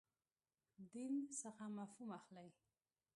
دین څخه مفهوم اخلئ.